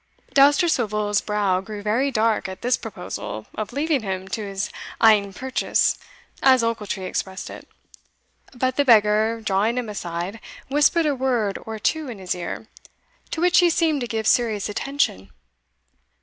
Dousterswivel's brow grew very dark at this proposal of leaving him to his "ain purchase," as Ochiltree expressed it; but the beggar, drawing him aside, whispered a word or two in his ear, to which he seemed to give serious attention.